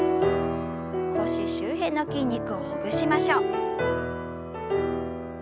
腰周辺の筋肉をほぐしましょう。